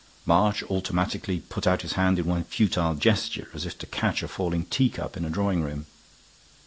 March automatically put out his hand in one futile gesture, as if to catch a falling tea cup in a drawing room.